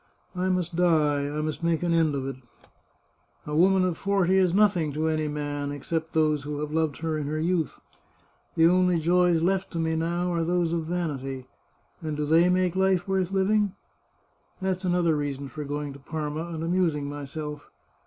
... I must die, I must make an end of it ! A woman of forty is nothing to any man, except those who have loved her in her youth. The only joys left to me now are those of vanity. And do they make life worth living? That's another reason for going to Parma and amusing myself.